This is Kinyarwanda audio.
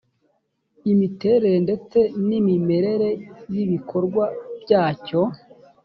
imiterere ndetse n’imimerere y’ibikorwa byacyo